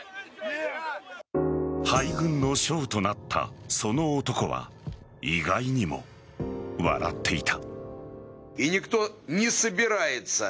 敗軍の将となったその男は意外にも笑っていた。